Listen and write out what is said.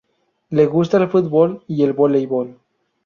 Le gusta el fútbol y el voleibol.